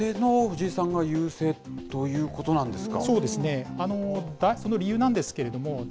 後手の藤井さんが優勢ということなんですか。